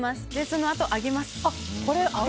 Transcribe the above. そのあと揚げます。